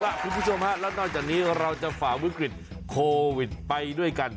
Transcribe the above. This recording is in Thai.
คุณผู้ชมฮะแล้วนอกจากนี้เราจะฝ่าวิกฤตโควิดไปด้วยกัน